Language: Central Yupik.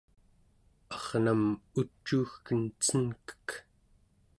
arnam ucuugken cenkek